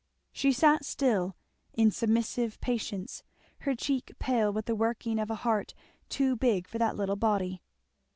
She sat still, in submissive patience, her cheek pale with the working of a heart too big for that little body.